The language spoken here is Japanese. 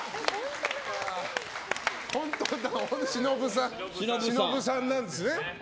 本当にシノブさんなんですね。